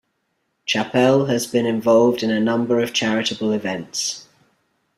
Chappelle has been involved in a number of charitable events.